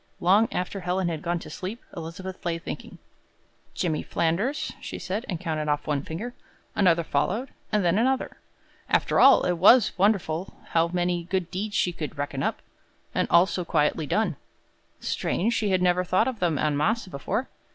Long after Helen had gone to sleep, Elizabeth lay thinking. "Jimmy Flanders," she said, and counted off one finger; another followed, and then another. After all, it was wonderful how many good deeds she could reckon up, and all so quietly done. Strange she had never thought of them en masse before.